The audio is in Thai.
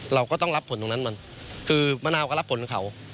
เราก็ต้องรับผลตรงนั้นมันคือมะนาวก็รับผลของเขา